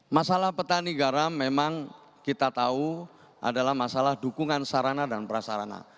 masalah petani garam memang kita tahu adalah masalah dukungan sarana dan prasarana